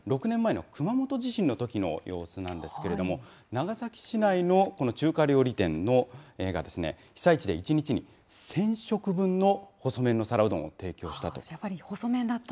６年前の熊本地震のときの様子なんですけれども、長崎市内のこの中華料理店が、被災地で１日に１０００食分の細麺の皿うどんを提供したと。